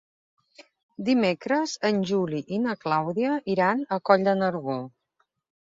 Dimecres en Juli i na Clàudia iran a Coll de Nargó.